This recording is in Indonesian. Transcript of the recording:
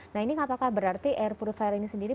nah ini apakah berarti air purifier ini sendiri